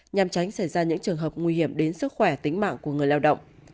nhằm tránh xảy ra những trường hợp nguy hiểm đến sức khỏe tính mạng của người lao động